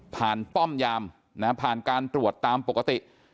ป้อมยามผ่านการตรวจตามปกติ